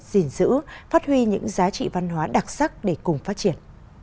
gìn giữ phát huy những giá trị văn hóa đặc sắc để cùng phát triển